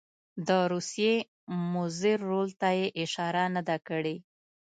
د روسیې مضر رول ته یې اشاره نه ده کړې.